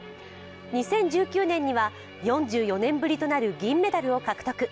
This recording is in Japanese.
２０１９年には４４年ぶりとなる銀メダルを獲得。